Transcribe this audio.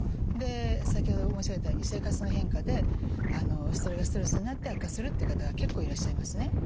で先ほど申し上げたように生活の変化でそれがストレスになって悪化するという方が結構いらっしゃいますね。